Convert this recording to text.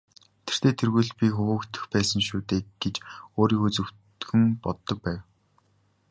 Тэртэй тэргүй л би хөөгдөх байсан шүү дээ гэж өөрийгөө зөвтгөн боддог байв.